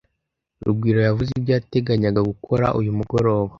Rugwiro yavuze ibyo yateganyaga gukora uyu mugoroba?